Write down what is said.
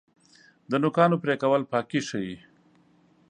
د نوکانو پرې کول پاکي ښیي.